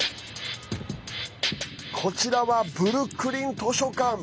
こちらはブルックリン図書館。